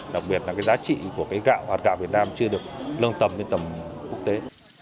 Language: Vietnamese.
đặc biệt là giá trị của gạo hoạt gạo việt nam chưa được nâng tầm đến tầm quốc tế